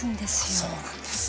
あそうなんですね。